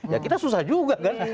ya kita susah juga kan